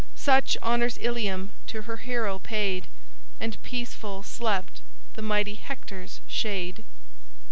"Such honors Ilium to her hero paid, And peaceful slept the mighty Hector's shade."